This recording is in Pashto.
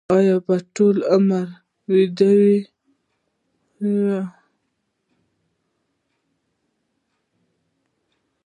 او يا به ټول عمر دوايانې خوري -